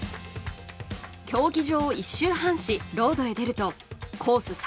競技場を１周半し、ロードへ出るとコース